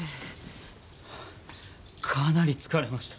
かなり疲れました。